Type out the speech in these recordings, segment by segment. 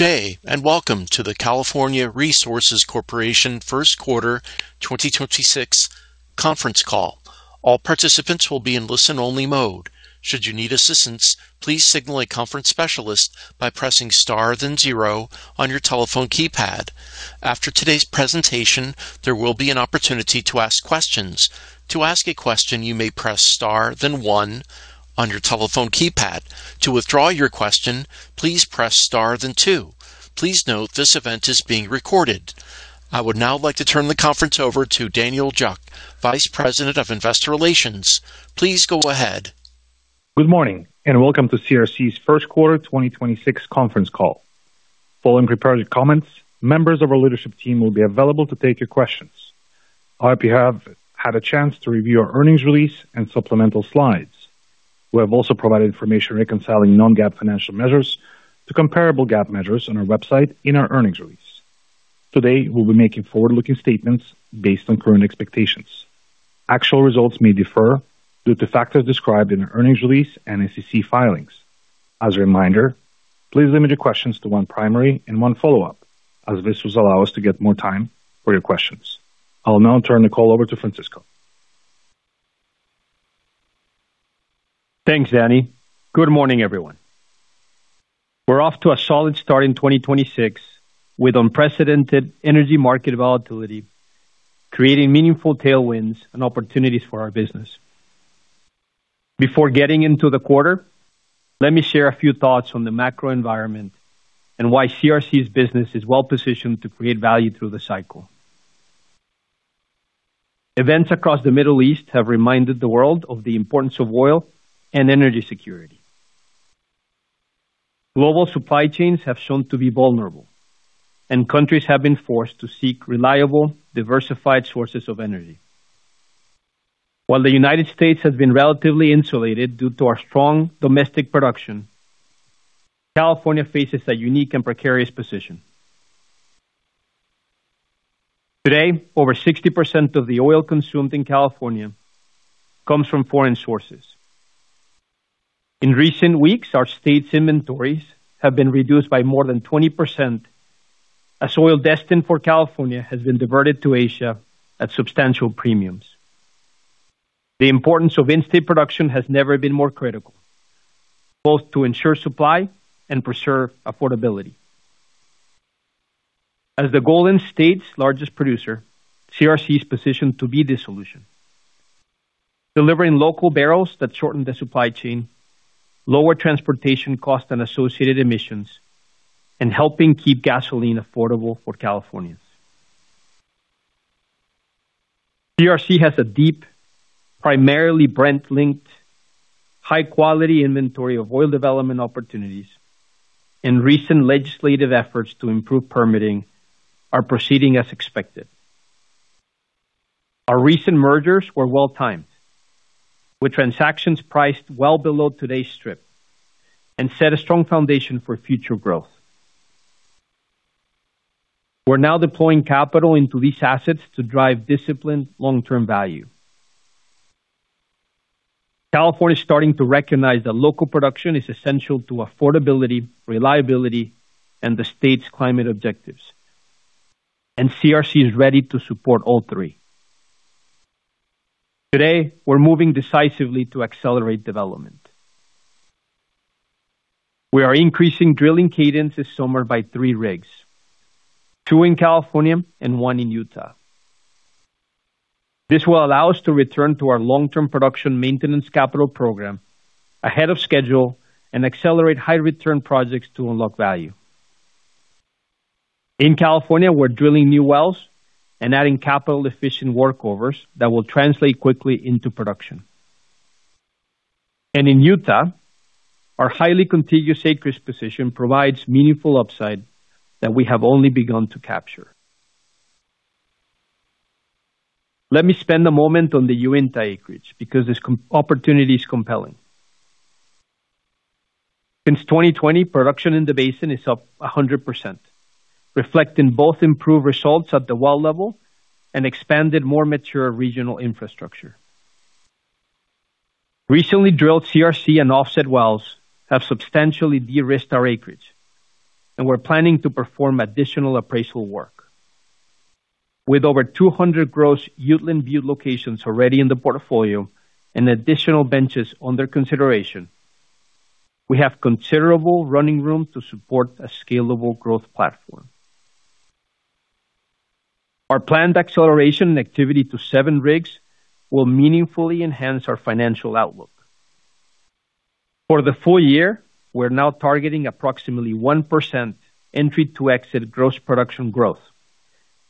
Good day, and welcome to the California Resources Corporation First Quarter 2026 Conference Call. All participants will be in listen-only mode. Should you need assistance, please signal a conference specialist by pressing star, then zero on your telephone keypad. After today's presentation, there will be an opportunity to ask questions. To ask a question, you may press star then one on your telephone keypad. To withdraw your question, please press star then two. Please note this event is being recorded. I would now like to turn the conference over to Daniel Juck, Vice President of Investor Relations. Please go ahead. Good morning, and welcome to CRC's First Quarter 2026 Conference Call. Following prepared comments, members of our leadership team will be available to take your questions. I hope you have had a chance to review our earnings release and supplemental slides. We have also provided information reconciling non-GAAP financial measures to comparable GAAP measures on our website in our earnings release. Today, we'll be making forward-looking statements based on current expectations. Actual results may differ due to factors described in our earnings release and SEC filings. As a reminder, please limit your questions to one primary and one follow-up as this will allow us to get more time for your questions. I'll now turn the call over to Francisco. Thanks, Danny. Good morning, everyone. We're off to a solid start in 2026 with unprecedented energy market volatility, creating meaningful tailwinds and opportunities for our business. Before getting into the quarter, let me share a few thoughts on the macro environment and why CRC's business is well-positioned to create value through the cycle. Events across the Middle East have reminded the world of the importance of oil and energy security. Global supply chains have shown to be vulnerable, and countries have been forced to seek reliable, diversified sources of energy. While the United States has been relatively insulated due to our strong domestic production, California faces a unique and precarious position. Today, over 60% of the oil consumed in California comes from foreign sources. In recent weeks, our state's inventories have been reduced by more than 20% as oil destined for California has been diverted to Asia at substantial premiums. The importance of in-state production has never been more critical, both to ensure supply and preserve affordability. As the Golden State's largest producer, CRC is positioned to be the solution, delivering local barrels that shorten the supply chain, lower transportation costs and associated emissions, and helping keep gasoline affordable for Californians. CRC has a deep, primarily Brent-linked, high-quality inventory of oil development opportunities, and recent legislative efforts to improve permitting are proceeding as expected. Our recent mergers were well-timed, with transactions priced well below today's strip and set a strong foundation for future growth. We're now deploying capital into these assets to drive disciplined long-term value. California is starting to recognize that local production is essential to affordability, reliability, and the state's climate objectives. CRC is ready to support all three. Today, we're moving decisively to accelerate development. We are increasing drilling cadence this summer by three rigs, two in California and one in Utah. This will allow us to return to our long-term production maintenance capital program ahead of schedule and accelerate high-return projects to unlock value. In California, we're drilling new wells and adding capital-efficient workovers that will translate quickly into production. In Utah, our highly contiguous acreage position provides meaningful upside that we have only begun to capture. Let me spend a moment on the Uinta acreage because this opportunity is compelling. Since 2020, production in the basin is up 100%, reflecting both improved results at the well level and expanded, more mature regional infrastructure. Recently drilled CRC and offset wells have substantially de-risked our acreage, and we're planning to perform additional appraisal work. With over 200 gross Uteland Butte locations already in the portfolio and additional benches under consideration, we have considerable running room to support a scalable growth platform. Our planned acceleration and activity to seven rigs will meaningfully enhance our financial outlook. For the full year, we're now targeting approximately 1% entry to exit gross production growth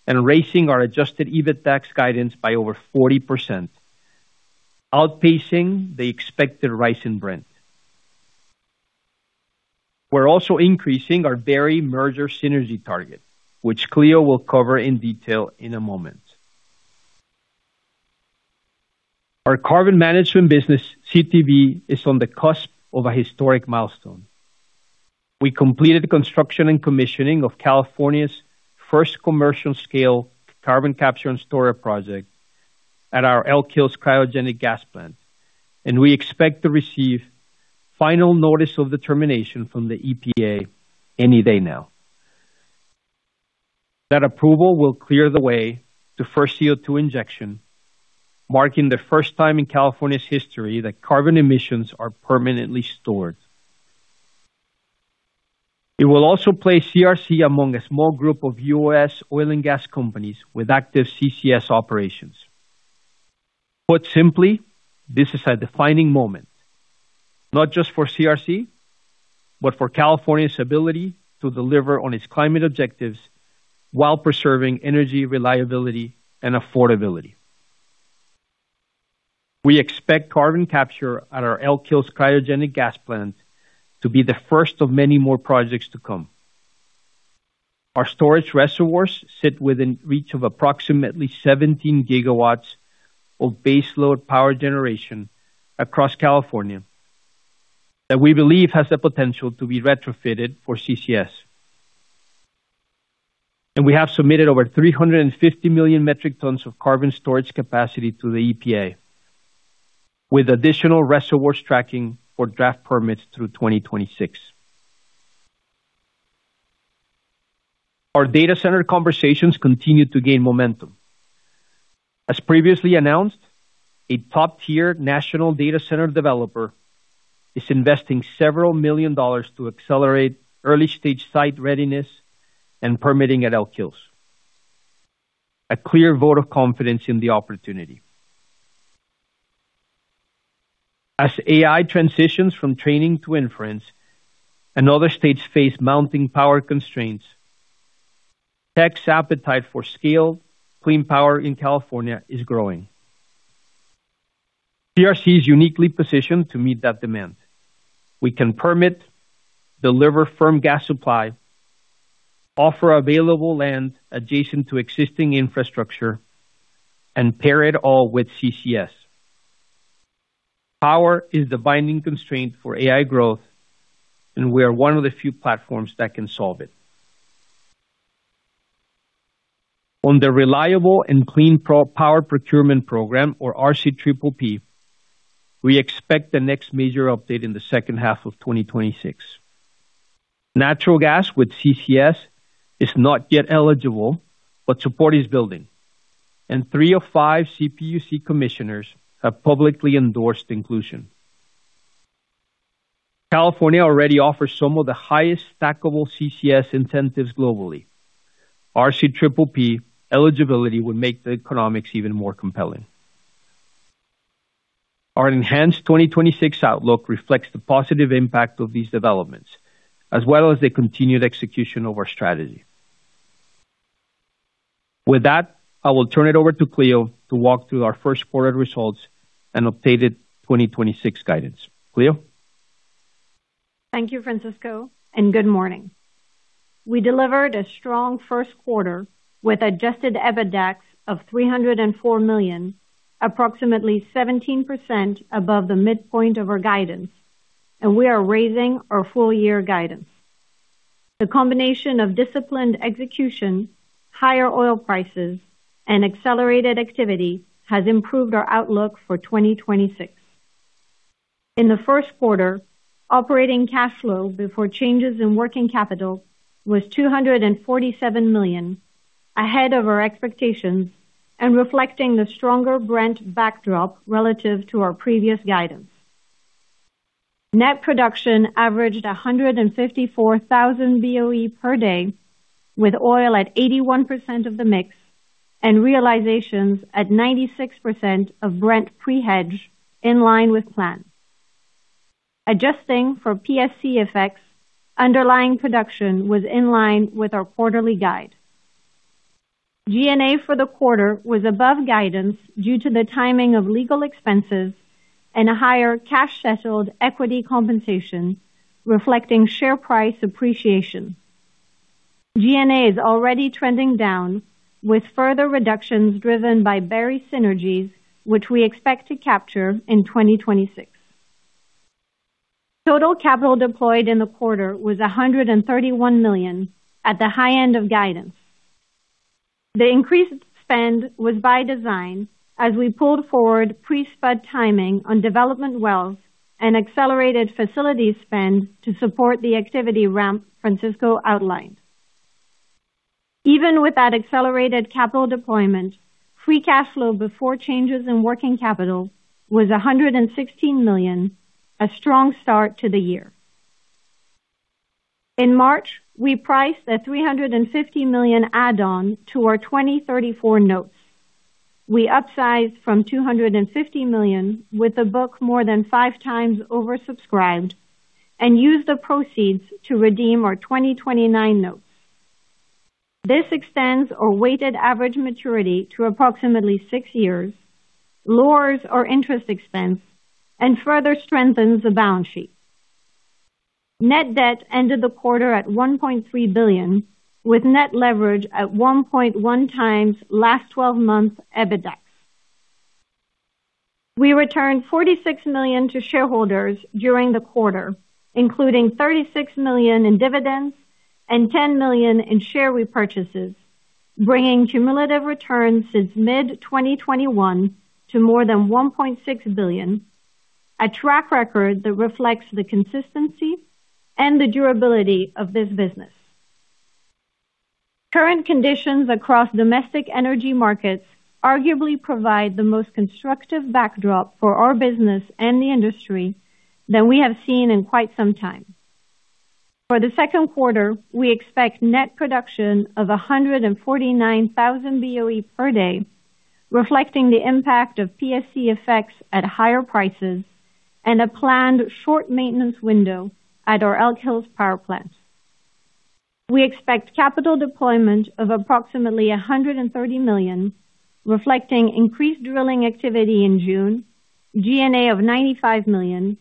and raising our adjusted EBITDAX guidance by over 40%, outpacing the expected rise in Brent. We're also increasing our Berry merger synergy target, which Clio will cover in detail in a moment. Our carbon management business, CTV, is on the cusp of a historic milestone. We completed the construction and commissioning of California's first commercial-scale carbon capture and storage project at our Elk Hills cryogenic gas plant, and we expect to receive final notice of determination from the EPA any day now. That approval will clear the way to first CO2 injection, marking the first time in California's history that carbon emissions are permanently stored. It will also place CRC among a small group of U.S. oil and gas companies with active CCS operations. Put simply, this is a defining moment, not just for CRC, but for California's ability to deliver on its climate objectives while preserving energy reliability and affordability. We expect carbon capture at our Elk Hills cryogenic gas plant to be the first of many more projects to come. Our storage reservoirs sit within reach of approximately 17 GW of base load power generation across California that we believe has the potential to be retrofitted for CCS. We have submitted over 350 million metric tons of carbon storage capacity to the EPA, with additional reservoirs tracking for draft permits through 2026. Our data center conversations continue to gain momentum. As previously announced, a top-tier national data center developer is investing several million dollars to accelerate early-stage site readiness and permitting at Elk Hills. A clear vote of confidence in the opportunity. As AI transitions from training to inference and other states face mounting power constraints, tech's appetite for scaled clean power in California is growing. CRC is uniquely positioned to meet that demand. We can permit, deliver firm gas supply, offer available land adjacent to existing infrastructure, and pair it all with CCS. Power is the binding constraint for AI growth, we are one of the few platforms that can solve it. On the Reliable and Clean Power Procurement Program, or RCPP, we expect the next major update in the second half of 2026. Natural gas with CCS is not yet eligible, support is building, three of five CPUC commissioners have publicly endorsed inclusion. California already offers some of the highest stackable CCS incentives globally. RCPP eligibility would make the economics even more compelling. Our enhanced 2026 outlook reflects the positive impact of these developments, as well as the continued execution of our strategy. With that, I will turn it over to Clio to walk through our first quarter results and updated 2026 guidance. Clio? Thank you, Francisco. Good morning. We delivered a strong first quarter with adjusted EBITDA of $304 million, approximately 17% above the midpoint of our guidance, and we are raising our full-year guidance. The combination of disciplined execution, higher oil prices, and accelerated activity has improved our outlook for 2026. In the first quarter, operating cash flow before changes in working capital was $247 million, ahead of our expectations and reflecting the stronger Brent backdrop relative to our previous guidance. Net production averaged 154,000 BOE per day, with oil at 81% of the mix and realizations at 96% of Brent pre-hedge in line with plan. Adjusting for PSC effects, underlying production was in line with our quarterly guide. G&A for the quarter was above guidance due to the timing of legal expenses and a higher cash-settled equity compensation reflecting share price appreciation. G&A is already trending down with further reductions driven by Berry synergies, which we expect to capture in 2026. Total capital deployed in the quarter was $131 million at the high end of guidance. The increased spend was by design as we pulled forward pre-spud timing on development wells and accelerated facilities spend to support the activity ramp Francisco outlined. Even with that accelerated capital deployment, free cash flow before changes in working capital was $116 million, a strong start to the year. In March, we priced a $350 million add-on to our 2034 notes. We upsized from $250 million with a book more than five times oversubscribed and used the proceeds to redeem our 2029 notes. This extends our weighted average maturity to approximately six years, lowers our interest expense, and further strengthens the balance sheet. Net debt ended the quarter at $1.3 billion, with net leverage at 1.1x last 12 months EBITDA. We returned $46 million to shareholders during the quarter, including $36 million in dividends and $10 million in share repurchases, bringing cumulative returns since mid-2021 to more than $1.6 billion, a track record that reflects the consistency and the durability of this business. Current conditions across domestic energy markets arguably provide the most constructive backdrop for our business and the industry than we have seen in quite some time. For the second quarter, we expect net production of 149,000 BOE per day, reflecting the impact of PSC effects at higher prices and a planned short maintenance window at our Elk Hills power plant. We expect capital deployment of approximately $130 million, reflecting increased drilling activity in June, G&A of $95 million,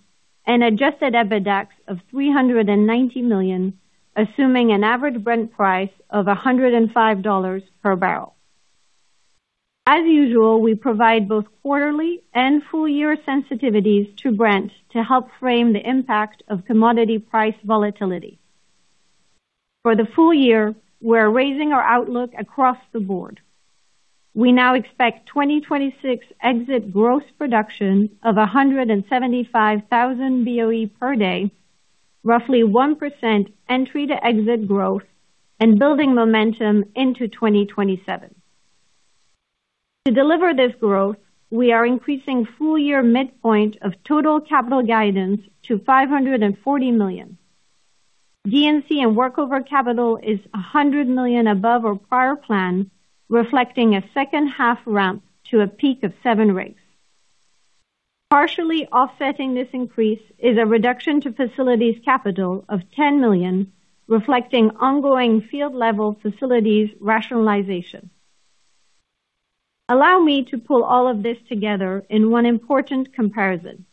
and adjusted EBITDAX of $390 million, assuming an average Brent price of $105 per barrel. As usual, we provide both quarterly and full-year sensitivities to Brent to help frame the impact of commodity price volatility. For the full year, we're raising our outlook across the board. We now expect 2026 exit gross production of 175,000 BOE per day, roughly 1% entry-to-exit growth and building momentum into 2027. To deliver this growth, we are increasing full-year midpoint of total capital guidance to $540 million. D&C and workover capital is $100 million above our prior plan, reflecting a second-half ramp to a peak of seven rigs. Partially offsetting this increase is a reduction to facilities capital of $10 million, reflecting ongoing field-level facilities rationalization. Allow me to pull all of this together in one important comparison.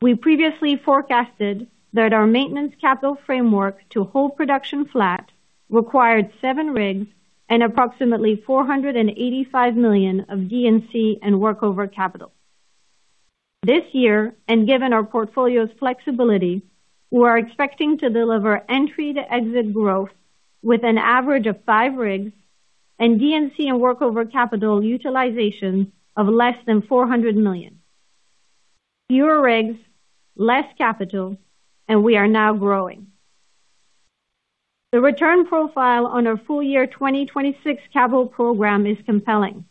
We previously forecasted that our maintenance capital framework to hold production flat required seven rigs and approximately $485 million of D&C and workover capital. This year, and given our portfolio's flexibility, we are expecting to deliver entry-to-exit growth with an average of five rigs and D&C and workover capital utilization of less than $400 million. Fewer rigs, less capital, and we are now growing. The return profile on our full-year 2026 capital program is compelling.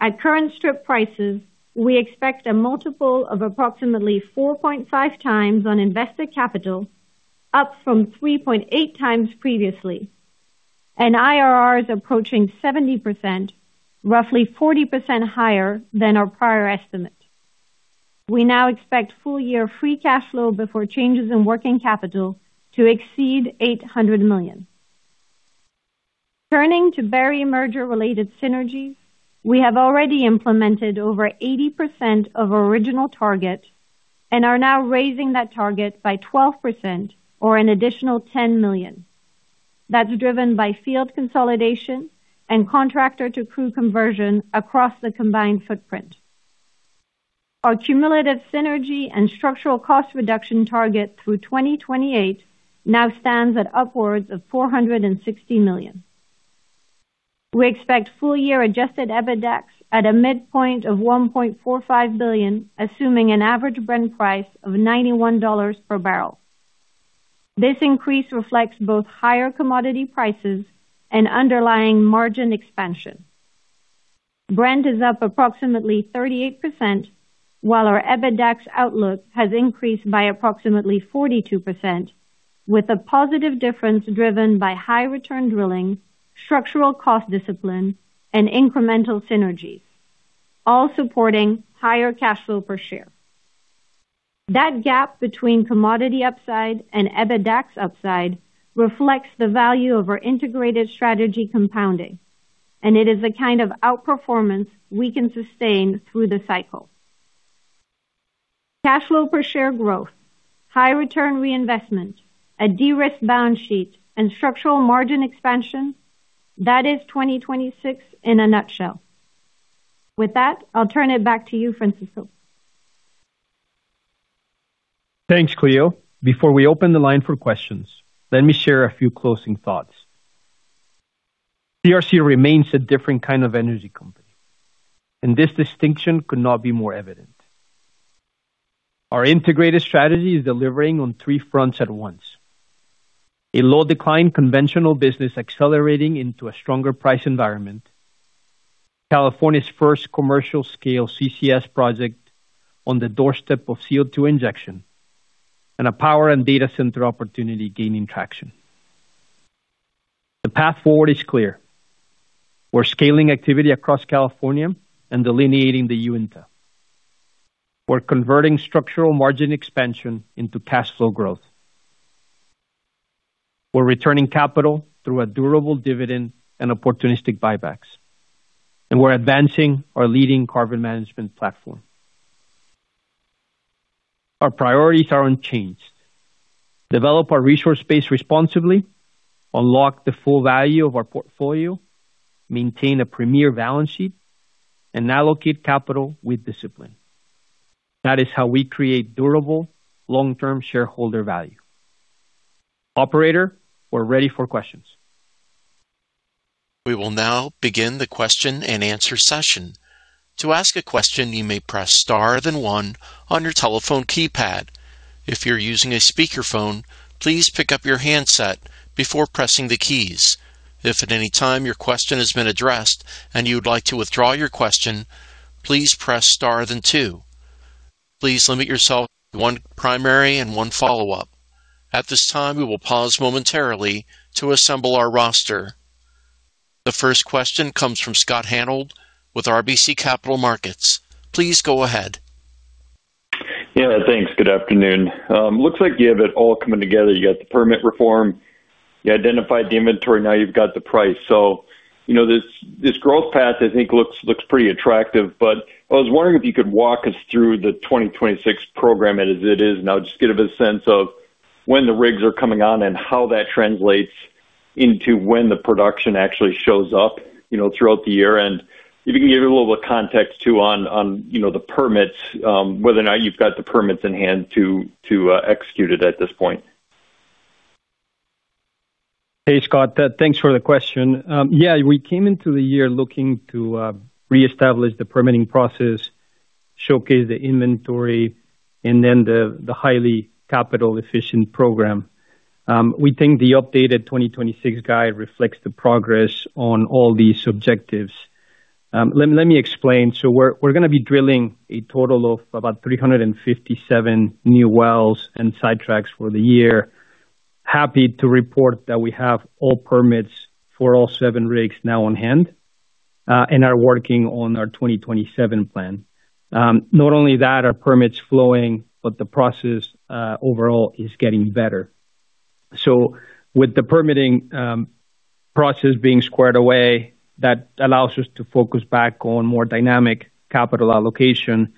At current strip prices, we expect a multiple of approximately 4.5x on invested capital, up from 3.8x previously, and IRR is approaching 70%, roughly 40% higher than our prior estimate. We now expect full-year free cash flow before changes in working capital to exceed $800 million. Turning to Berry merger-related synergies, we have already implemented over 80% of original target and are now raising that target by 12% or an additional $10 million. That's driven by field consolidation and contractor-to-crew conversion across the combined footprint. Our cumulative synergy and structural cost reduction target through 2028 now stands at upwards of $460 million. We expect full-year adjusted EBITDAX at a midpoint of $1.45 billion, assuming an average Brent price of $91 per barrel. This increase reflects both higher commodity prices and underlying margin expansion. Brent is up approximately 38%, while our EBITDAX outlook has increased by approximately 42%, with a positive difference driven by high return drilling, structural cost discipline, and incremental synergies, all supporting higher cash flow per share. That gap between commodity upside and EBITDAX upside reflects the value of our integrated strategy compounding. It is the kind of outperformance we can sustain through the cycle. Cash flow per share growth, high return reinvestment, a de-risked balance sheet, and structural margin expansion, that is 2026 in a nutshell. With that, I'll turn it back to you, Francisco. Thanks, Clio. Before we open the line for questions, let me share a few closing thoughts. CRC remains a different kind of energy company. This distinction could not be more evident. Our integrated strategy is delivering on three fronts at once: a low-decline conventional business accelerating into a stronger price environment, California's first commercial-scale CCS project on the doorstep of CO2 injection, and a power and data center opportunity gaining traction. The path forward is clear. We're scaling activity across California and delineating the Uinta. We're converting structural margin expansion into cash flow growth. We're returning capital through a durable dividend and opportunistic buybacks, and we're advancing our leading carbon management platform. Our priorities are unchanged. Develop our resource base responsibly, unlock the full value of our portfolio, maintain a premier balance sheet, and allocate capital with discipline. That is how we create durable long-term shareholder value. Operator, we're ready for questions. We will now begin the question-and-answer session. To ask a question, you may press star then one on your telephone keypad. If you're using a speakerphone, please pick up your handset before pressing the keys. If at any time your question has been addressed and you would like to withdraw your question, please press star then two. Please limit yourself to one primary and one follow-up. At this time, we will pause momentarily to assemble our roster. The first question comes from Scott Hanold with RBC Capital Markets. Please go ahead. Yeah, thanks. Good afternoon. Looks like you have it all coming together. You got the permit reform, you identified the inventory, now you've got the price. You know, this growth path, I think looks pretty attractive. I was wondering if you could walk us through the 2026 program as it is now. Just to get a better sense of when the rigs are coming on and how that translates into when the production actually shows up, you know, throughout the year. And if you can give a little context too on, you know, the permits, whether or not you've got the permits in hand to execute it at this point. Hey, Scott. Thanks for the question. Yeah, we came into the year looking to reestablish the permitting process, showcase the inventory, and then the highly capital efficient program. We think the updated 2026 guide reflects the progress on all these objectives. Let me explain. We're gonna be drilling a total of about 357 new wells and sidetracks for the year. Happy to report that we have all permits for all seven rigs now on hand and are working on our 2027 plan. Not only that, our permits flowing, but the process overall is getting better. With the permitting process being squared away, that allows us to focus back on more dynamic capital allocation,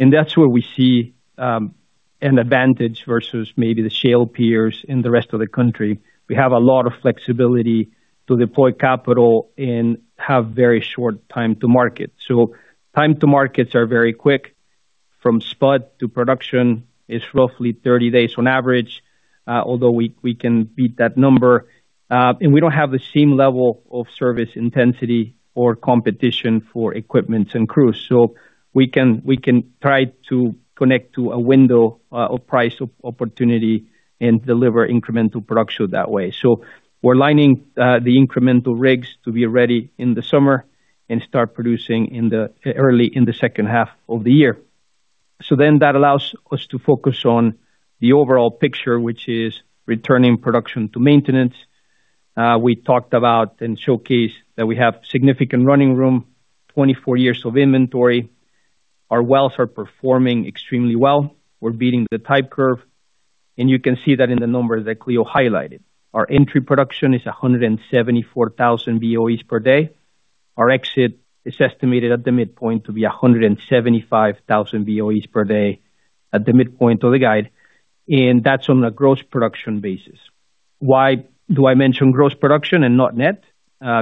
and that's where we see an advantage versus maybe the shale peers in the rest of the country. We have a lot of flexibility to deploy capital and have very short time to market. Time to markets are very quick. From spud to production is roughly 30 days on average, although we can beat that number. And we don't have the same level of service intensity or competition for equipment and crews. We can try to connect to a window of price opportunity and deliver incremental production that way. We're lining the incremental rigs to be ready in the summer and start producing early in the second half of the year. That allows us to focus on the overall picture, which is returning production to maintenance. We talked about and showcased that we have significant running room, 24 years of inventory. Our wells are performing extremely well. We're beating the type curve, and you can see that in the numbers that Clio highlighted. Our entry production is 174,000 BOEs per day. Our exit is estimated at the midpoint to be 175,000 BOEs per day at the midpoint of the guide, and that's on a gross production basis. Why do I mention gross production and not net?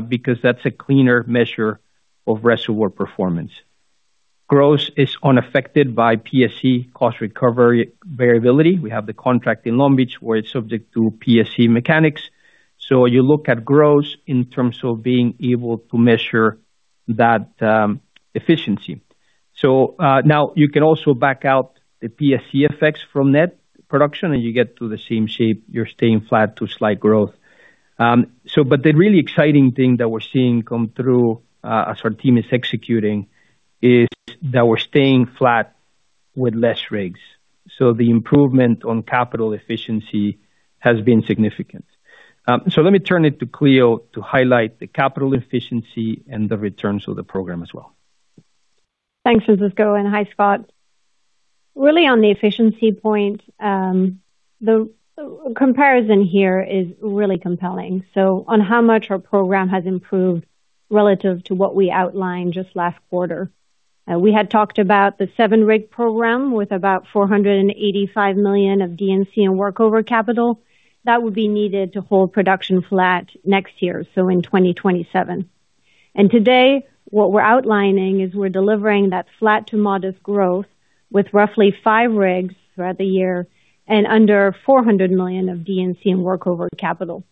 Because that's a cleaner measure of reservoir performance. Gross is unaffected by PSC cost recovery variability. We have the contract in Long Beach where it's subject to PSC mechanics. You look at gross in terms of being able to measure that efficiency. Now you can also back out the PSC effects from net production, and you get to the same shape. You're staying flat to slight growth. The really exciting thing that we're seeing come through as our team is executing, is that we're staying flat with less rigs. The improvement on capital efficiency has been significant. Let me turn it to Clio to highlight the capital efficiency and the returns of the program as well. Thanks, Francisco, and hi, Scott. Really on the efficiency point, the comparison here is really compelling. On how much our program has improved relative to what we outlined just last quarter. We had talked about the seven-rig program with about $485 million of D&C and workover capital that would be needed to hold production flat next year, so in 2027. Today, what we're outlining is we're delivering that flat to modest growth with roughly five rigs throughout the year and under $400 million of D&C and workover capital.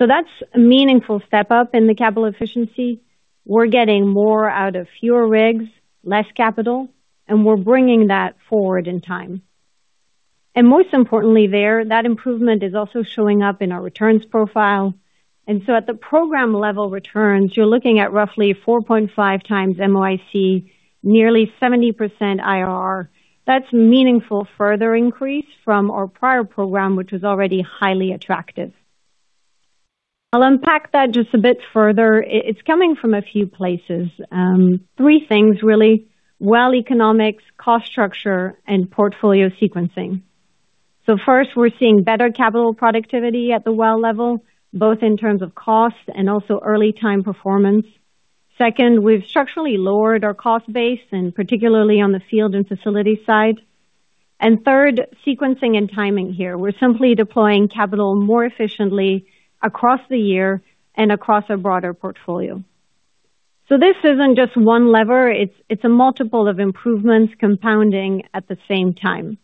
That's a meaningful step up in the capital efficiency. We're getting more out of fewer rigs, less capital, and we're bringing that forward in time. Most importantly there, that improvement is also showing up in our returns profile. At the program level returns, you're looking at roughly 4.5x MOIC, nearly 70% IRR. That's meaningful further increase from our prior program, which was already highly attractive. I'll unpack that just a bit further. It's coming from a few places. Three things really. Well economics, cost structure, and portfolio sequencing. First, we're seeing better capital productivity at the well level, both in terms of cost and also early time performance. Second, we've structurally lowered our cost base, and particularly on the field and facility side. Third, sequencing and timing here. We're simply deploying capital more efficiently across the year and across a broader portfolio. This isn't just one lever, it's a multiple of improvements compounding at the same time.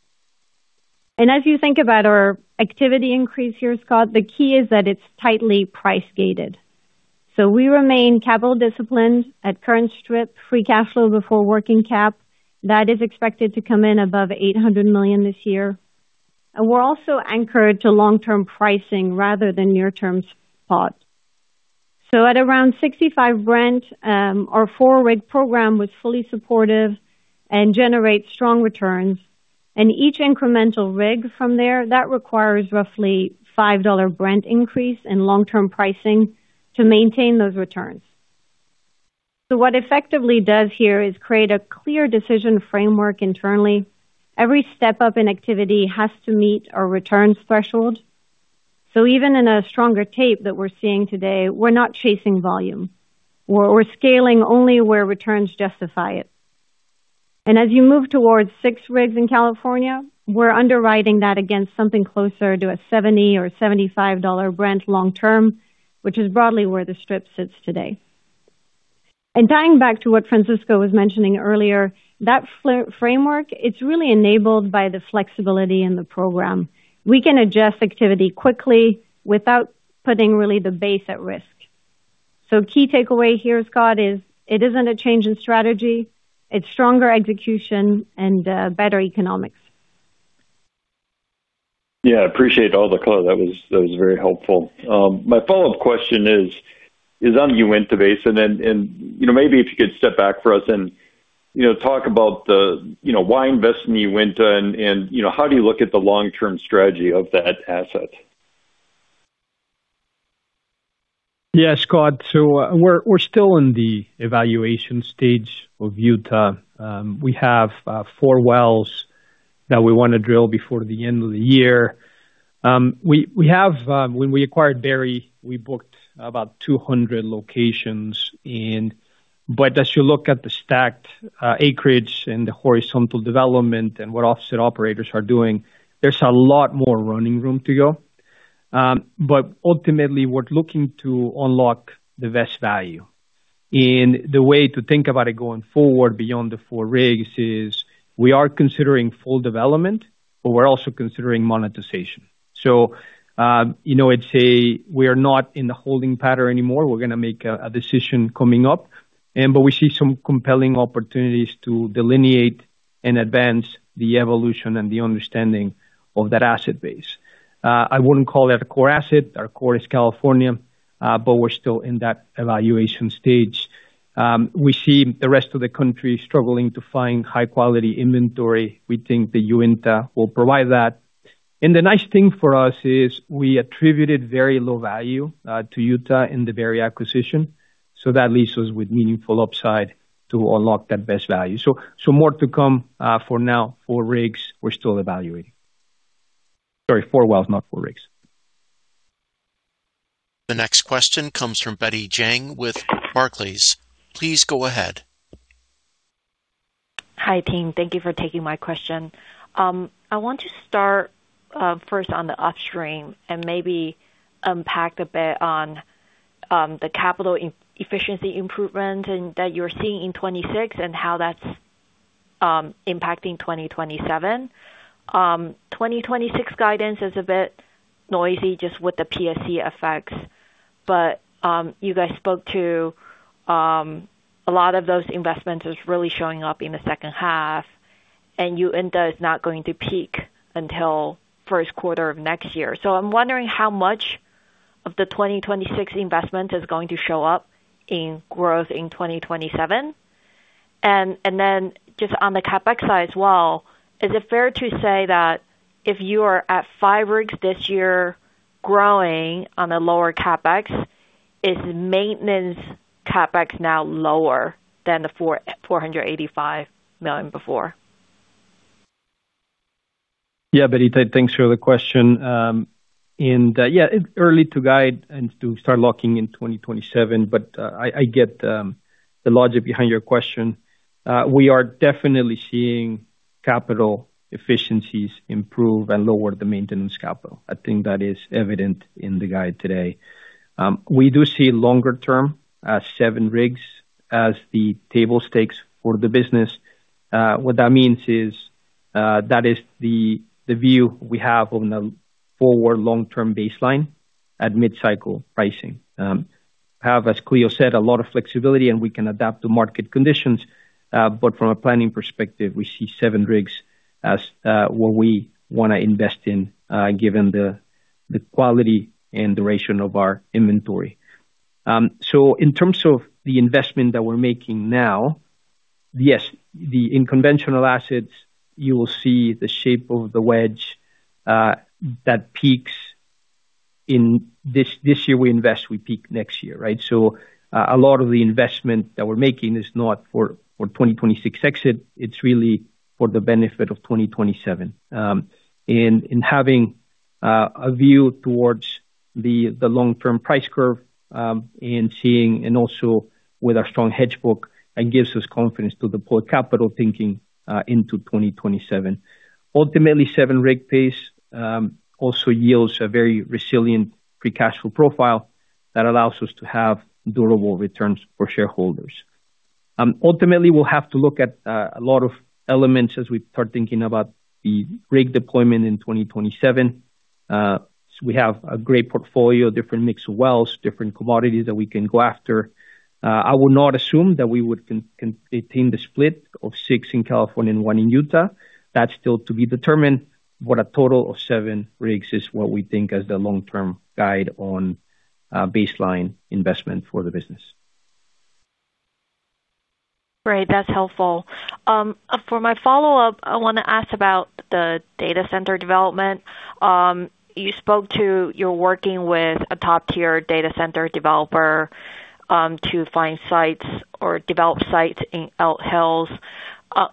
As you think about our activity increase here, Scott, the key is that it's tightly price-gated. We remain capital disciplined at current strip free cash flow before working cap. That is expected to come in above $800 million this year. We're also anchored to long-term pricing rather than near-term spot. At around 65 Brent, our four rig program was fully supportive and generates strong returns. Each incremental rig from there, that requires roughly $5 Brent increase in long-term pricing to maintain those returns. What effectively does here is create a clear decision framework internally. Every step up in activity has to meet our returns threshold. Even in a stronger tape that we're seeing today, we're not chasing volume. We're scaling only where returns justify it. As you move towards six rigs in California, we're underwriting that against something closer to a $70 or $75 Brent long term, which is broadly where the strip sits today. Tying back to what Francisco was mentioning earlier, that framework, it's really enabled by the flexibility in the program. We can adjust activity quickly without putting really the base at risk. Key takeaway here, Scott, is it isn't a change in strategy, it's stronger execution and better economics. Yeah, I appreciate all the color. That was very helpful. My follow-up question is on Uinta Basin. Maybe if you could step back for us and, you know, talk about the, you know, why invest in Uinta and, you know, how do you look at the long-term strategy of that asset? Yeah, Scott. We're still in the evaluation stage of Utah. We have four wells that we wanna drill before the end of the year. We have, when we acquired Berry, we booked about 200 locations in. As you look at the stacked acreage and the horizontal development and what offset operators are doing, there's a lot more running room to go. Ultimately, we're looking to unlock the best value. The way to think about it going forward beyond the four rigs is we are considering full development, but we're also considering monetization. You know, I'd say we are not in the holding pattern anymore. We're gonna make a decision coming up, but we see some compelling opportunities to delineate and advance the evolution and the understanding of that asset base. I wouldn't call that a core asset. Our core is California, but we're still in that evaluation stage. We see the rest of the country struggling to find high-quality inventory. We think that Uinta will provide that. The nice thing for us is we attributed very low value to Utah in the Berry acquisition, so that leaves us with meaningful upside to unlock that best value. More to come. For now, four rigs, we're still evaluating. Sorry, four wells, not four rigs. The next question comes from Betty Jiang with Barclays. Please go ahead. Hi, team. Thank you for taking my question. I want to start first on the upstream and maybe unpack a bit on the capital efficiency improvement and that you're seeing in 2026 and how that's impacting 2027. 2026 guidance is a bit noisy just with the PSC effects. You guys spoke to a lot of those investments is really showing up in the second half, and Uinta is not going to peak until first quarter of next year. I'm wondering how much of the 2026 investment is going to show up in growth in 2027. Then just on the CapEx side as well, is it fair to say that if you are at five rigs this year growing on a lower CapEx, is maintenance CapEx now lower than the $485 million before? Yeah, Betty. Thanks for the question. It is early to guide and to start locking in 2027. I get the logic behind your question. We are definitely seeing capital efficiencies improve and lower the maintenance capital. I think that is evident in the guide today. We do see longer term, seven rigs as the table stakes for the business. What that means is that is the view we have on the forward long-term baseline at mid-cycle pricing. However, as Clio said, a lot of flexibility, and we can adapt to market conditions. From a planning perspective, we see seven rigs as what we wanna invest in given the quality and duration of our inventory. So in terms of the investment that we're making now, yes, in conventional assets, you will see the shape of the wedge that peaks. This year we invest, we peak next year, right? A lot of the investment that we're making is not for 2026 exit, it's really for the benefit of 2027. In having a view towards the long-term price curve and seeing, also with our strong hedge book, that gives us confidence to deploy capital thinking into 2027. Ultimately, seven rig pace also yields a very resilient free cash flow profile that allows us to have durable returns for shareholders. Ultimately, we'll have to look at a lot of elements as we start thinking about the rig deployment in 2027. We have a great portfolio, different mix of wells, different commodities that we can go after. I would not assume that we would retain the split of six in California and one in Utah. That's still to be determined. A total of seven rigs is what we think as the long-term guide on baseline investment for the business. Great. That's helpful. For my follow-up, I wanna ask about the data center development. You spoke to you're working with a top-tier data center developer, to find sites or develop sites in Elk Hills.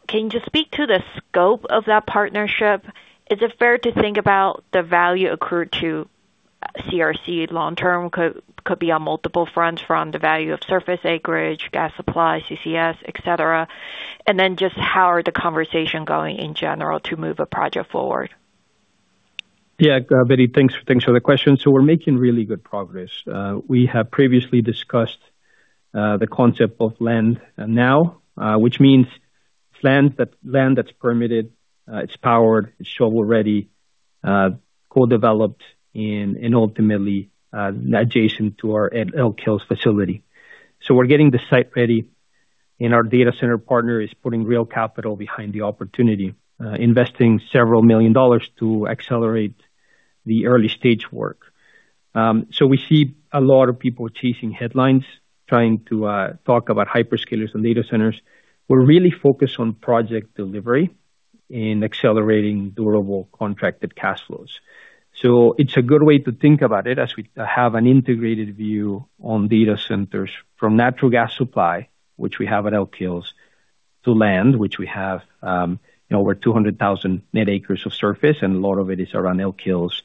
Can you just speak to the scope of that partnership? Is it fair to think about the value accrued to CRC long term? Could be on multiple fronts from the value of surface acreage, gas supply, CCS, et cetera. Just how are the conversation going in general to move a project forward? Yeah, Betty, thanks for the question. We're making really good progress. We have previously discussed the concept of land now, which means it's land that's permitted, it's powered, it's shovel-ready, co-developed and ultimately adjacent to our Elk Hills facility. We're getting the site ready, and our data center partner is putting real capital behind the opportunity, investing several million dollars to accelerate the early stage work. We see a lot of people chasing headlines, trying to talk about hyperscalers and data centers. We're really focused on project delivery and accelerating durable contracted cash flows. It's a good way to think about it as we have an integrated view on data centers from natural gas supply, which we have at Elk Hills, to land, which we have, you know, over 200,000 net acres of surface, and a lot of it is around Elk Hills,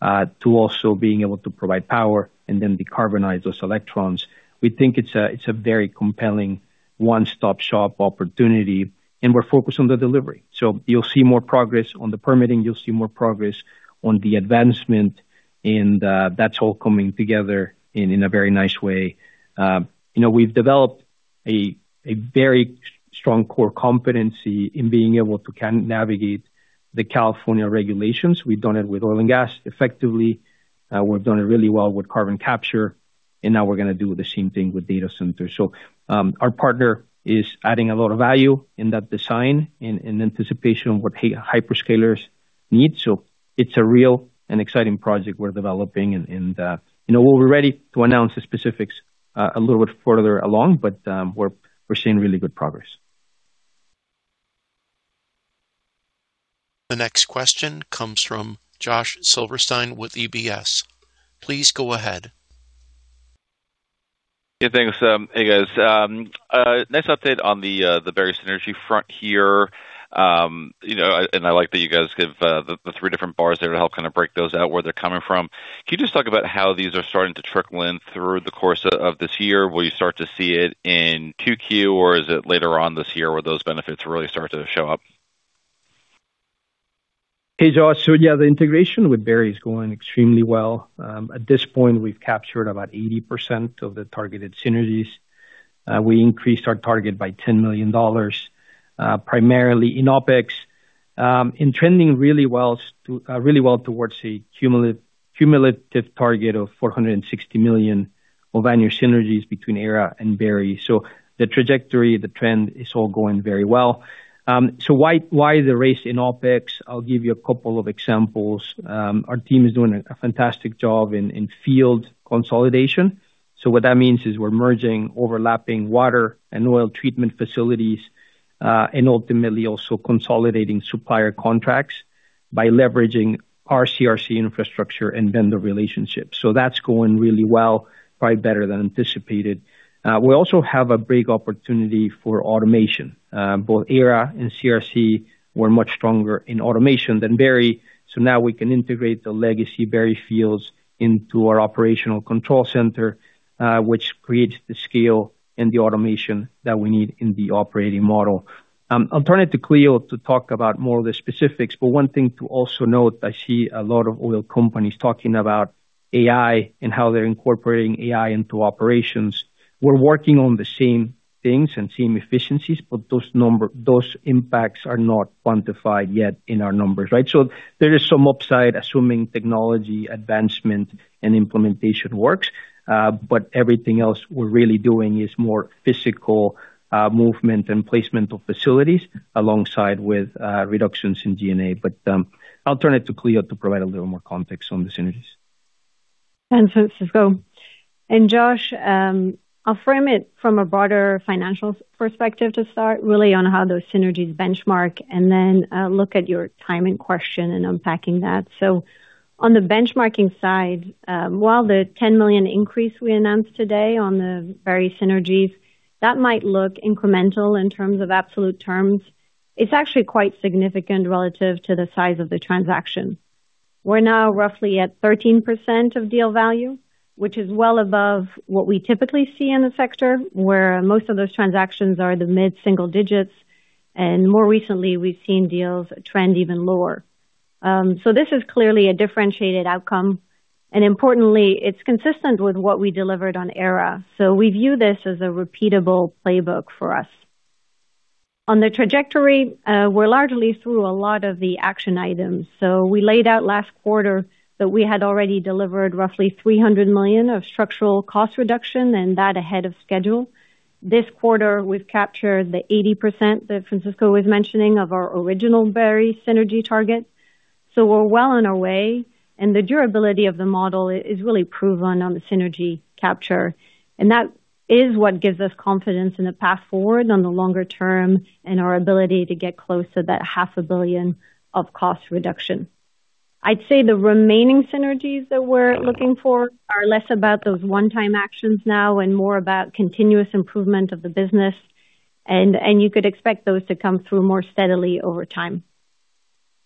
to also being able to provide power and then decarbonize those electrons. We think it's a very compelling one-stop shop opportunity, and we're focused on the delivery. You'll see more progress on the permitting, you'll see more progress on the advancement, and that's all coming together in a very nice way. You know, we've developed a very strong core competency in being able to navigate the California regulations. We've done it with oil and gas effectively. We've done it really well with carbon capture. Now we're gonna do the same thing with data centers. Our partner is adding a lot of value in that design in anticipation of what hyperscalers need. It's a real and exciting project we're developing. You know, we'll be ready to announce the specifics a little bit further along, but we're seeing really good progress. The next question comes from Josh Silverstein with UBS. Please go ahead. Yeah, thanks. Hey, guys. Nice update on the Berry synergy front here. You know, I like that you guys give the three different bars there to help kind of break those out where they're coming from. Can you just talk about how these are starting to trickle in through the course of this year? Will you start to see it in 2Q or is it later on this year where those benefits really start to show up? Hey, Josh. Yeah, the integration with Berry is going extremely well. At this point, we've captured about 80% of the targeted synergies. We increased our target by $10 million, primarily in OpEx, and trending really well towards a cumulative target of $460 million of annual synergies between Aera and Berry. The trajectory, the trend is all going very well. Why the race in OpEx? I'll give you a couple of examples. Our team is doing a fantastic job in field consolidation. What that means is we're merging overlapping water and oil treatment facilities, and ultimately also consolidating supplier contracts by leveraging our CRC infrastructure and vendor relationships. That's going really well, probably better than anticipated. We also have a big opportunity for automation. Both Aera and CRC were much stronger in automation than Berry, now we can integrate the legacy Berry fields into our operational control center, which creates the scale and the automation that we need in the operating model. I'll turn it to Clio to talk about more of the specifics, one thing to also note, I see a lot of oil companies talking about AI and how they're incorporating AI into operations. We're working on the same things and same efficiencies, those impacts are not quantified yet in our numbers, right? There is some upside, assuming technology advancement and implementation works. Everything else we're really doing is more physical, movement and placement of facilities alongside with, reductions in D&A. I'll turn it to Clio to provide a little more context on the synergies. Thanks, Francisco. Josh, I'll frame it from a broader financial perspective to start really on how those synergies benchmark and then look at your timing question and unpacking that. On the benchmarking side, while the $10 million increase we announced today on the various synergies, that might look incremental in terms of absolute terms, it's actually quite significant relative to the size of the transaction. We're now roughly at 13% of deal value, which is well above what we typically see in the sector, where most of those transactions are the mid-single digits, and more recently, we've seen deals trend even lower. This is clearly a differentiated outcome, and importantly, it's consistent with what we delivered on Aera. We view this as a repeatable playbook for us. On the trajectory, we're largely through a lot of the action items. We laid out last quarter that we had already delivered roughly $300 million of structural cost reduction and that ahead of schedule. This quarter, we've captured the 80% that Francisco was mentioning of our original Berry synergy target. We're well on our way, and the durability of the model is really proven on the synergy capture, and that is what gives us confidence in the path forward on the longer term and our ability to get close to that half a billion of cost reduction. I'd say the remaining synergies that we're looking for are less about those one-time actions now and more about continuous improvement of the business. You could expect those to come through more steadily over time.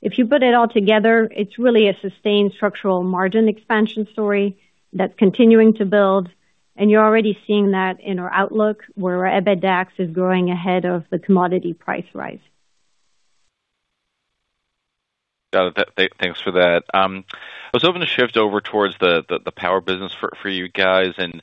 If you put it all together, it's really a sustained structural margin expansion story that's continuing to build, and you're already seeing that in our outlook, where our EBITDA is growing ahead of the commodity price rise. Got it. Thanks for that. I was hoping to shift over towards the power business for you guys, and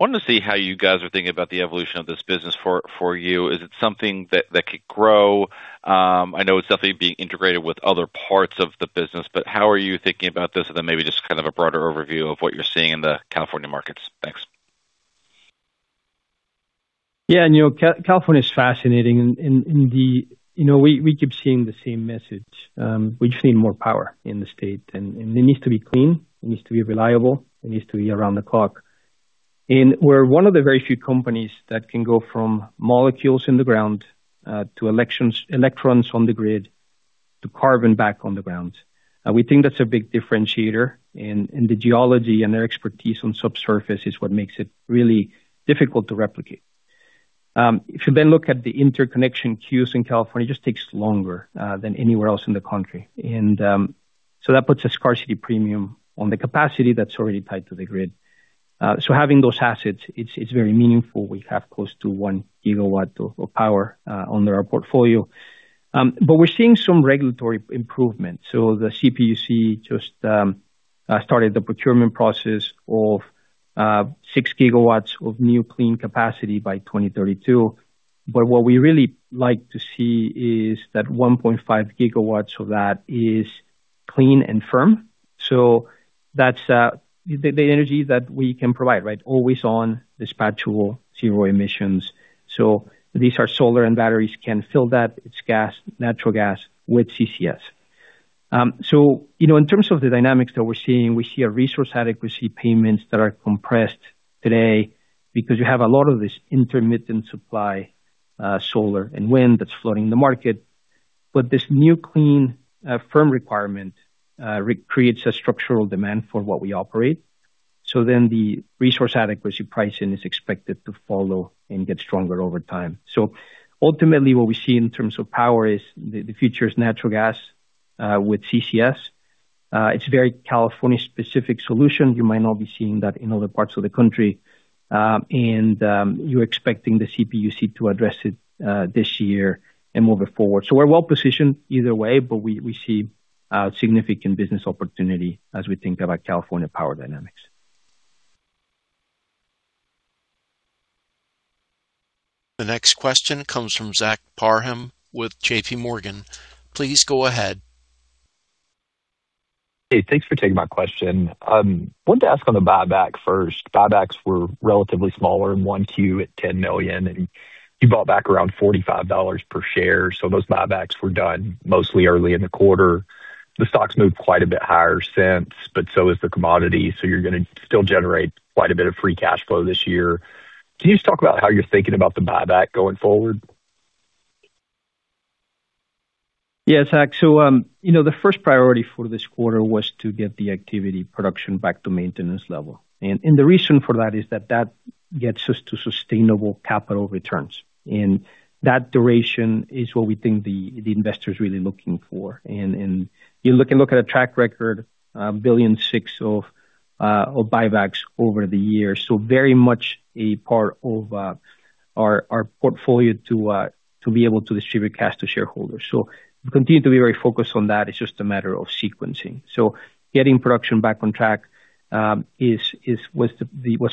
wanted to see how you guys are thinking about the evolution of this business for you. Is it something that could grow? I know it's definitely being integrated with other parts of the business, but how are you thinking about this? Maybe just kind of a broader overview of what you're seeing in the California markets. Thanks. Yeah. You know, California is fascinating in the, you know, we keep seeing the same message. We just need more power in the state, and it needs to be clean, it needs to be reliable, it needs to be around the clock. We're one of the very few companies that can go from molecules in the ground to electrons on the grid to carbon back on the ground. We think that's a big differentiator in the geology, and their expertise on subsurface is what makes it really difficult to replicate. If you then look at the interconnection queues in California, it just takes longer than anywhere else in the country. That puts a scarcity premium on the capacity that's already tied to the grid. Having those assets, it's very meaningful. We have close to 1 GW of power under our portfolio. We're seeing some regulatory improvement. The CPUC just started the procurement process of 6 GW of new clean capacity by 2032. What we really like to see is that 1.5 GW of that is clean and firm. That's the energy that we can provide, right? Always on, dispatchable, zero emissions. These are solar and batteries can fill that. It's gas, natural gas with CCS. You know, in terms of the dynamics that we're seeing, we see a resource adequacy payments that are compressed today because you have a lot of this intermittent supply, solar and wind that's flooding the market. This new clean, firm requirement re-creates a structural demand for what we operate. The resource adequacy pricing is expected to follow and get stronger over time. Ultimately, what we see in terms of power is the future is natural gas with CCS. It's very California-specific solution. You might not be seeing that in other parts of the country. And you're expecting the CPUC to address it this year and moving forward. We're well-positioned either way, but we see a significant business opportunity as we think about California power dynamics. The next question comes from Zach Parham with JPMorgan. Please go ahead. Hey, thanks for taking my question. Wanted to ask on the buyback first. Buybacks were relatively smaller in 1Q at $10 million, and you bought back around $45 per share. Those buybacks were done mostly early in the quarter. The stock's moved quite a bit higher since, but so is the commodity. You're gonna still generate quite a bit of free cash flow this year. Can you just talk about how you're thinking about the buyback going forward? Zach. You know, the first priority for this quarter was to get the activity production back to maintenance level. The reason for that is that that gets us to sustainable capital returns. That duration is what we think the investor is really looking for. You look at a track record, $1.6 billion of buybacks over the years. Very much a part of our portfolio to be able to distribute cash to shareholders. We continue to be very focused on that. It's just a matter of sequencing. Getting production back on track was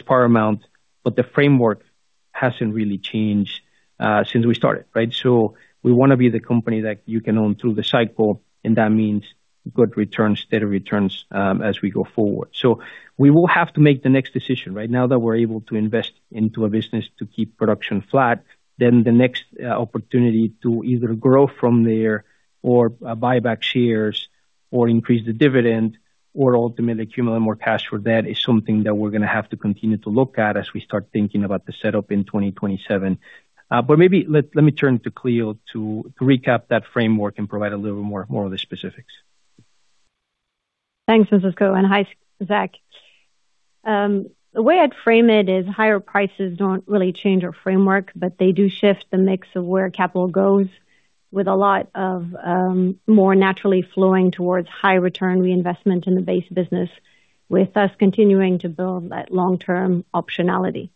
paramount, but the framework hasn't really changed since we started, right? We wanna be the company that you can own through the cycle, and that means good returns, steady returns, as we go forward. We will have to make the next decision. Right now that we're able to invest into a business to keep production flat, then the next opportunity to either grow from there or buy back shares Or increase the dividend or ultimately accumulate more cash for debt is something that we're gonna have to continue to look at as we start thinking about the setup in 2027. Maybe let me turn to Clio to recap that framework and provide a little more of the specifics. Thanks, Francisco, and hi, Zach. The way I'd frame it is higher prices don't really change our framework, they do shift the mix of where capital goes with a lot of more naturally flowing towards high return reinvestment in the base business with us continuing to build that long-term optionality.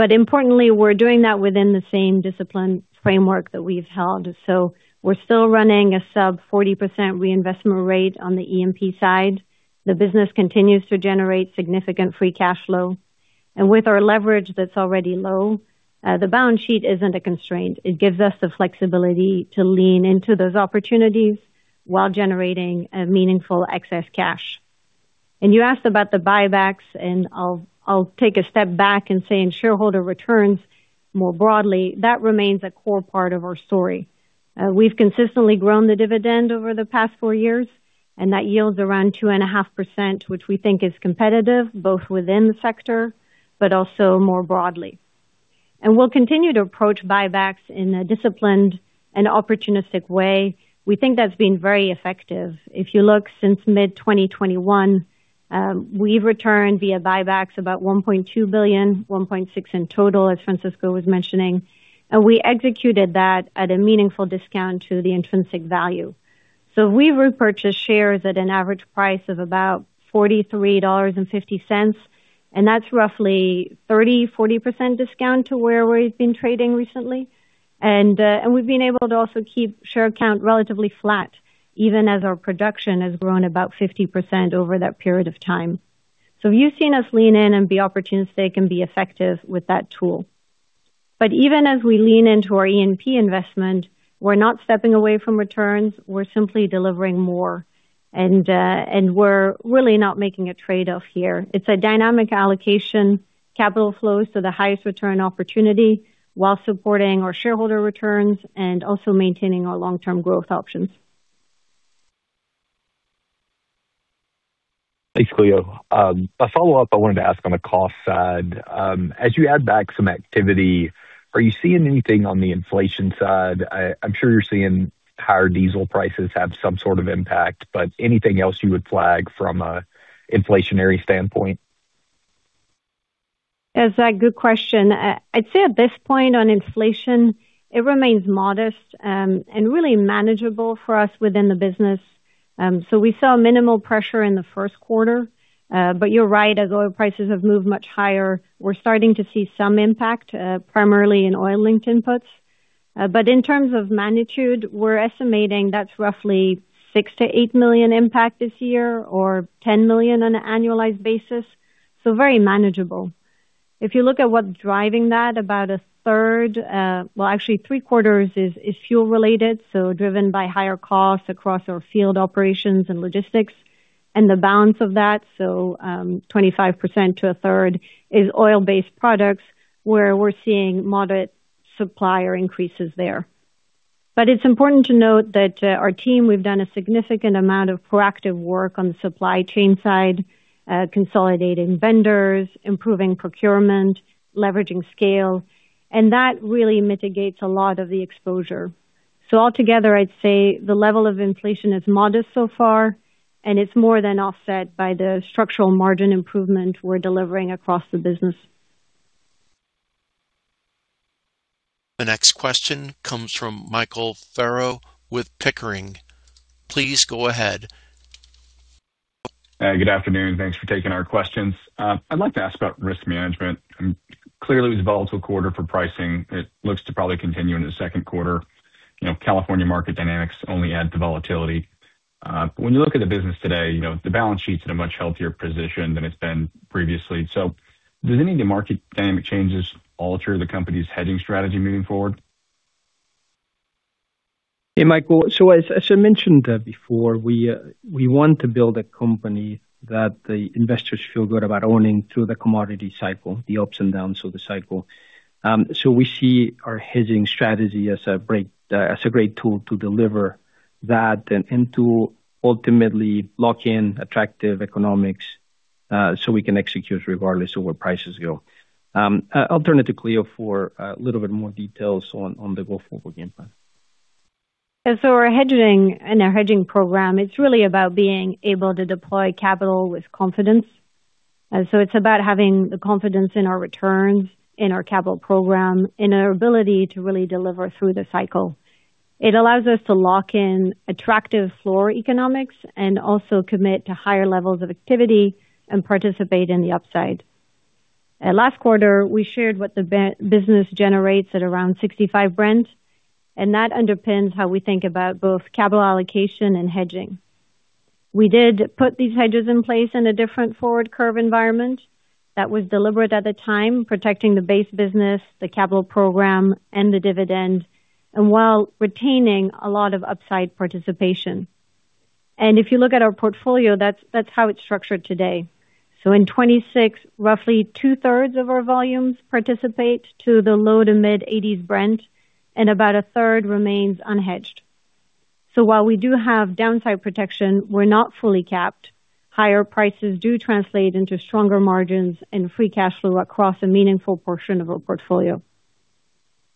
Importantly, we're doing that within the same discipline framework that we've held, we're still running a sub 40% reinvestment rate on the E&P side. The business continues to generate significant free cash flow. With our leverage that's already low, the balance sheet isn't a constraint. It gives us the flexibility to lean into those opportunities while generating a meaningful excess cash. You asked about the buybacks, I'll take a step back and say in shareholder returns more broadly, that remains a core part of our story. We've consistently grown the dividend over the past four years, and that yields around 2.5%, which we think is competitive, both within the sector but also more broadly. We'll continue to approach buybacks in a disciplined and opportunistic way. We think that's been very effective. If you look since mid-2021, we've returned via buybacks about $1.2 billion, $1.6 billion in total, as Francisco was mentioning. We executed that at a meaningful discount to the intrinsic value. We repurchased shares at an average price of about $43.50, and that's roughly 30%-40% discount to where we've been trading recently. We've been able to also keep share count relatively flat, even as our production has grown about 50% over that period of time. You've seen us lean in and be opportunistic and be effective with that tool. Even as we lean into our E&P investment, we're not stepping away from returns, we're simply delivering more. We're really not making a trade-off here. It's a dynamic allocation, capital flow, so the highest return opportunity while supporting our shareholder returns and also maintaining our long-term growth options. Thanks, Clio. A follow-up I wanted to ask on the cost side. As you add back some activity, are you seeing anything on the inflation side? I'm sure you're seeing higher diesel prices have some sort of impact, but anything else you would flag from a inflationary standpoint? Zach, good question. I'd say at this point on inflation, it remains modest and really manageable for us within the business. We saw minimal pressure in the first quarter. You're right, as oil prices have moved much higher, we're starting to see some impact primarily in oil-linked inputs. In terms of magnitude, we're estimating that's roughly $6 million-$8 million impact this year or $10 million on an annualized basis, very manageable. If you look at what's driving that, about a third, well, actually three-quarters is fuel-related, driven by higher costs across our field operations and logistics. The balance of that, 25% to a third is oil-based products, where we're seeing moderate supplier increases there. It's important to note that, our team, we've done a significant amount of proactive work on the supply chain side, consolidating vendors, improving procurement, leveraging scale, and that really mitigates a lot of the exposure. Altogether, I'd say the level of inflation is modest so far, and it's more than offset by the structural margin improvement we're delivering across the business. The next question comes from Michael Furrow with Pickering. Please go ahead. Hi, good afternoon. Thanks for taking our questions. I'd like to ask about risk management. Clearly it was a volatile quarter for pricing. It looks to probably continue into the second quarter. You know, California market dynamics only add to volatility. But when you look at the business today, you know, the balance sheet's in a much healthier position than it's been previously. Does any of the market dynamic changes alter the company's hedging strategy moving forward? Hey, Michael. As I mentioned that before, we want to build a company that the investors feel good about owning through the commodity cycle, the ups and downs of the cycle. We see our hedging strategy as a great tool to deliver that and to ultimately lock in attractive economics, we can execute regardless of where prices go. I'll turn to Clio for a little bit more details on the go-forward game plan. Our hedging program, it's really about being able to deploy capital with confidence. It's about having the confidence in our returns, in our capital program, in our ability to really deliver through the cycle. It allows us to lock in attractive floor economics and also commit to higher levels of activity and participate in the upside. Last quarter, we shared what the business generates at around $65 Brent, and that underpins how we think about both capital allocation and hedging. We did put these hedges in place in a different forward curve environment that was deliberate at the time, protecting the base business, the capital program, and the dividend, and while retaining a lot of upside participation. If you look at our portfolio, that's how it's structured today. In 2026, roughly 2/3 of our volumes participate to the low to mid 80s Brent, and about a third remains unhedged. While we do have downside protection, we're not fully capped. Higher prices do translate into stronger margins and free cash flow across a meaningful portion of our portfolio.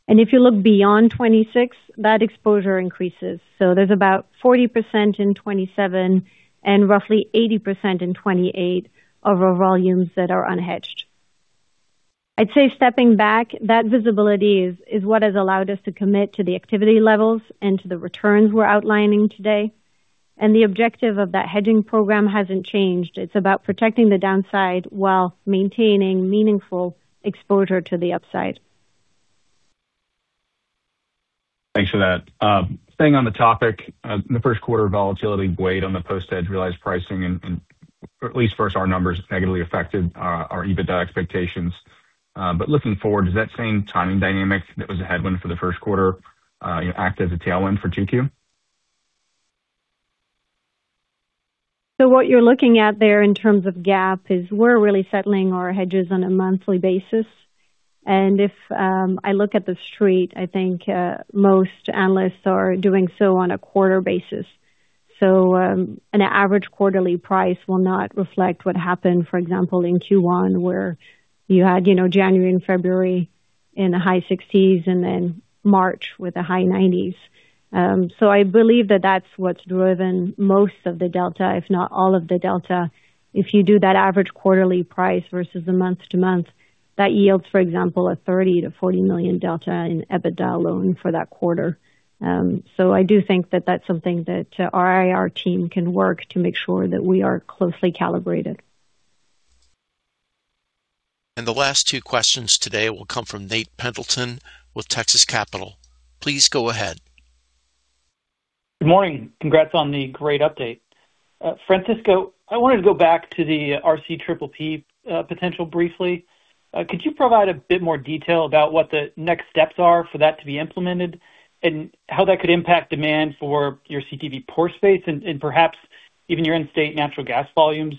If you look beyond 2026, that exposure increases. There's about 40% in 2027 and roughly 80% in 2028 of our volumes that are unhedged. I'd say stepping back, that visibility is what has allowed us to commit to the activity levels and to the returns we're outlining today. The objective of that hedging program hasn't changed. It's about protecting the downside while maintaining meaningful exposure to the upside. Thanks for that. Staying on the topic, in the first quarter, volatility weighed on the post-hedge realized pricing and at least for our numbers, negatively affected our EBITDA expectations. Looking forward, does that same timing dynamic that was a headwind for the first quarter, act as a tailwind for 2Q? What you're looking at there in terms of GAAP is we're really settling our hedges on a monthly basis. If I look at the Street, I think most analysts are doing so on a quarter basis. An average quarterly price will not reflect what happened, for example, in Q1, where you had, you know, January and February in the high 60s and then March with the high 90s. I believe that that's what's driven most of the delta, if not all of the delta. If you do that average quarterly price versus the month to month, that yields, for example, a $30 million-$40 million delta in EBITDA alone for that quarter. I do think that that's something that our IR team can work to make sure that we are closely calibrated. The last two questions today will come from Nate Pendleton with Texas Capital. Please go ahead. Good morning. Congrats on the great update. Francisco, I wanted to go back to the RCPPP potential briefly. Could you provide a bit more detail about what the next steps are for that to be implemented and how that could impact demand for your CTV pore space and perhaps even your in-state natural gas volumes?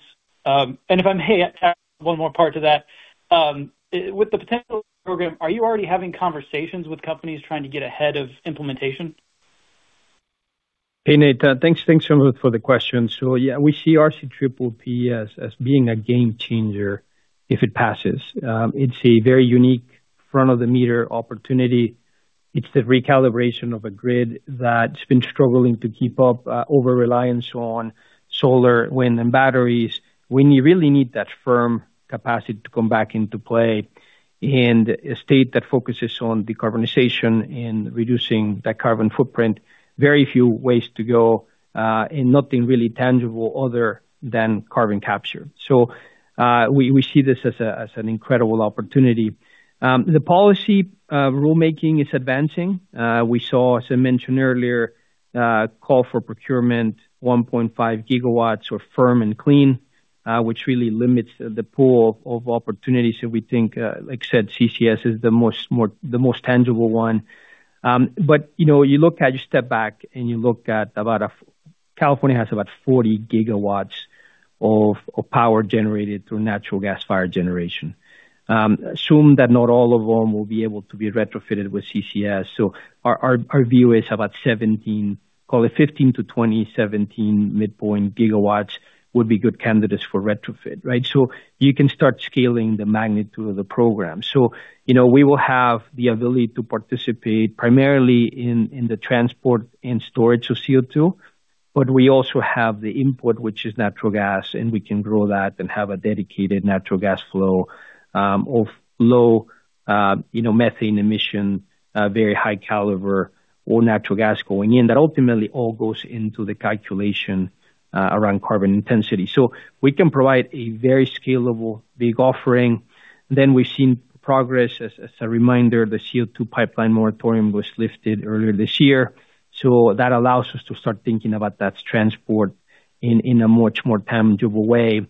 If I may add one more part to that, with the potential program, are you already having conversations with companies trying to get ahead of implementation? Hey, Nate. Thanks so much for the question. Yeah, we see RCPPP as being a game changer if it passes. It's a very unique front-of-the-meter opportunity. It's the recalibration of a grid that's been struggling to keep up, over reliance on solar, wind, and batteries when you really need that firm capacity to come back into play. A state that focuses on decarbonization and reducing that carbon footprint, very few ways to go, and nothing really tangible other than carbon capture. We see this as an incredible opportunity. The policy rulemaking is advancing. We saw, as I mentioned earlier, call for procurement 1.5 GW or firm and clean, which really limits the pool of opportunities. We think, like I said, CCS is the most tangible one. You know, you step back and you look at California has about 40 GW of power generated through natural gas-fired generation. Assume that not all of them will be able to be retrofitted with CCS. Our view is about 17, call it 15-20, 17 midpoint gigawatts would be good candidates for retrofit, right? You can start scaling the magnitude of the program. You know, we will have the ability to participate primarily in the transport and storage of CO2, but we also have the input, which is natural gas, and we can grow that and have a dedicated natural gas flow of low, you know, methane emission, very high caliber or natural gas going in. That ultimately all goes into the calculation around carbon intensity. We can provide a very scalable, big offering. We've seen progress. As a reminder, the CO2 pipeline moratorium was lifted earlier this year. That allows us to start thinking about that transport in a much more tangible way.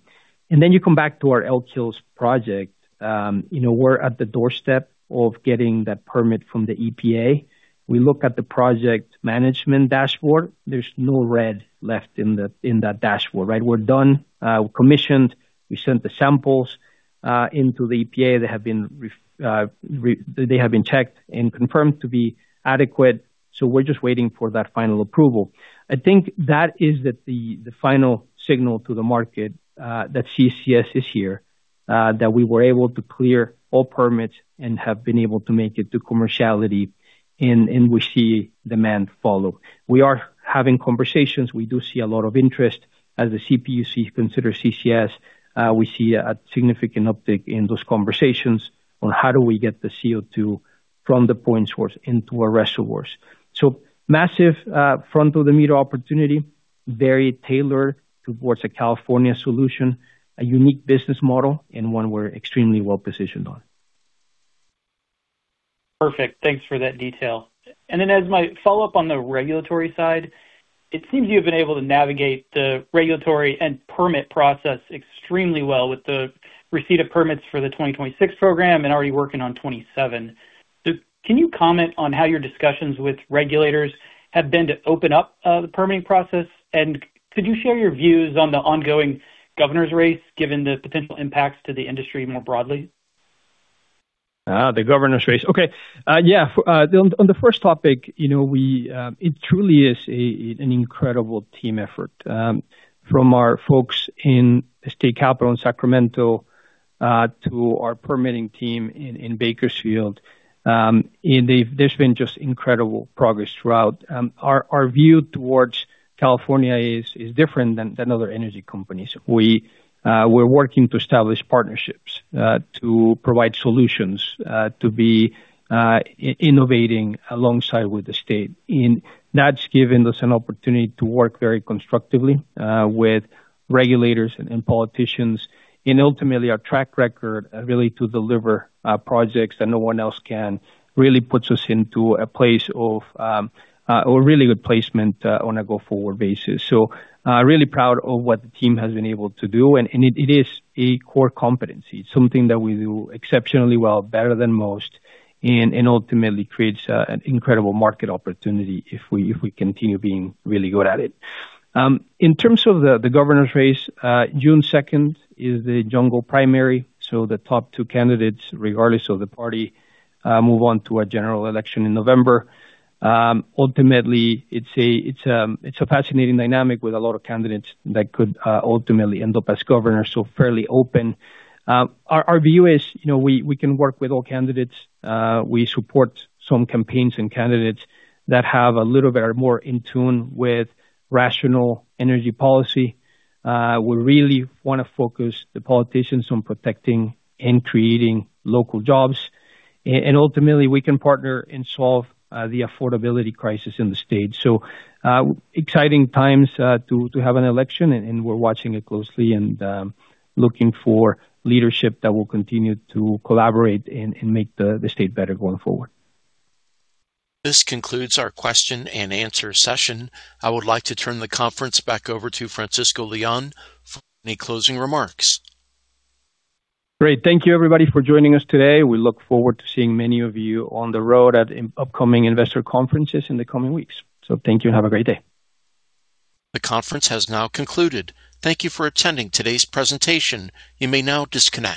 You come back to our Elk Hills project. You know, we're at the doorstep of getting that permit from the EPA. We look at the project management dashboard. There's no red left in that dashboard, right? We're done. We commissioned. We sent the samples into the EPA. They have been checked and confirmed to be adequate. We're just waiting for that final approval. I think that is the final signal to the market that CCS is here, that we were able to clear all permits and have been able to make it to commerciality and we see demand follow. We are having conversations. We do see a lot of interest. As the CPUC consider CCS, we see a significant uptick in those conversations on how do we get the CO2 from the point source into our reservoirs. Massive front-of-the-meter opportunity, very tailored towards a California solution, a unique business model, and one we're extremely well-positioned on. Perfect. Thanks for that detail. Then as my follow-up on the regulatory side, it seems you've been able to navigate the regulatory and permit process extremely well with the receipt of permits for the 2026 program and already working on 27. Can you comment on how your discussions with regulators have been to open up the permitting process? Could you share your views on the ongoing governor's race, given the potential impacts to the industry more broadly? The governor's race. Okay. Yeah, on the first topic, you know, we, it truly is an incredible team effort, from our folks in the State Capitol in Sacramento, to our permitting team in Bakersfield. There's been just incredible progress throughout. Our view towards California is different than other energy companies. We're working to establish partnerships, to provide solutions, to be innovating alongside with the state. That's given us an opportunity to work very constructively with regulators and politicians. Ultimately, our track record, really to deliver projects that no one else can really puts us into a place of, or really good placement, on a go-forward basis. Really proud of what the team has been able to do. It is a core competency. It's something that we do exceptionally well, better than most and ultimately creates an incredible market opportunity if we continue being really good at it. In terms of the governor's race, June 2nd is the jungle primary, the top two candidates, regardless of the party, move on to a general election in November. Ultimately, it's a fascinating dynamic with a lot of candidates that could ultimately end up as governor, fairly open. Our view is, you know, we can work with all candidates. We support some campaigns and candidates that have a little bit more in tune with rational energy policy. We really wanna focus the politicians on protecting and creating local jobs. Ultimately, we can partner and solve the affordability crisis in the state. Exciting times to have an election, and we're watching it closely and looking for leadership that will continue to collaborate and make the state better going forward. This concludes our question-and-answer session. I would like to turn the conference back over to Francisco Leon for any closing remarks. Great. Thank you everybody for joining us today. We look forward to seeing many of you on the road at upcoming investor conferences in the coming weeks. Thank you and have a great day. The conference has now concluded. Thank you for attending today's presentation. You may now disconnect.